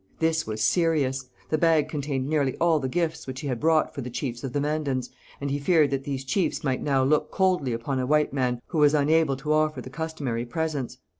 This was serious. The bag contained nearly all the gifts which he had brought for the chiefs of the Mandans, and he feared that these chiefs might now look coldly upon a white man who was unable to offer the customary presents.